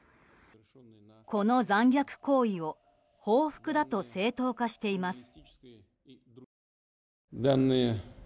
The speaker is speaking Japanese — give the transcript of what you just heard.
この残虐行為を報復だと正当化しています。